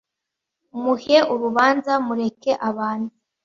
Muhe urubanza, mureke abanze